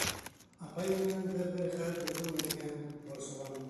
Апайым менән бер-бер хәл булдымы икән -борсолам.